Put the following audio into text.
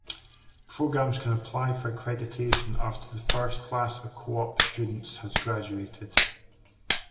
Programs can apply for accreditation after the first class of co-op students has graduated.